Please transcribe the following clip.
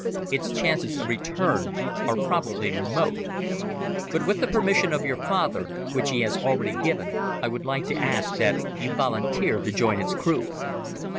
Its chances of return are probably remote. But with the permission of your father, which he has already given, I would like to ask that you volunteer to join its crew."